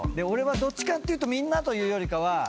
俺はどっちかっていうとみんなというよりかは。